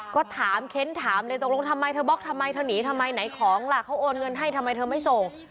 ก็ถามเค้นถามเลยตกลงทำไมเธอบล็อกทำไมเธอหนีทำไมไหนของล่ะเขาโอนเงินให้ทำไมเธอไม่ส่ง